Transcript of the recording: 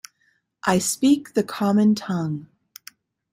I speak the common tongue.